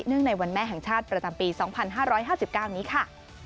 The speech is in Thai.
ในวันแม่แห่งชาติประจำปี๒๕๕๙นี้ค่ะ